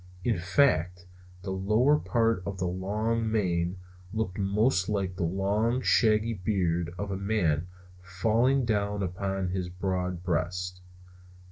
In fact, the lower parts of the long mane looked most like the long shaggy beard of a man falling down upon his broad breast.